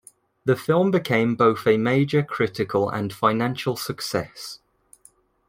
The film became both a major critical and financial success.